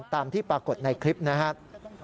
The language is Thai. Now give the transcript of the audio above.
ตามที่ปรากฏในคลิปนะครับ